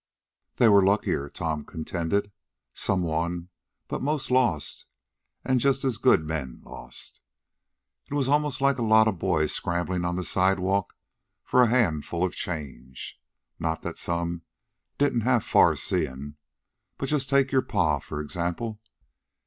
"They were luckier," Tom contended. "Some won, but most lost, an' just as good men lost. It was almost like a lot of boys scramblin' on the sidewalk for a handful of small change. Not that some didn't have far seein'. But just take your pa, for example.